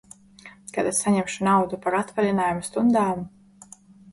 Kad es saņemšu naudu par atvaļinājuma stundām?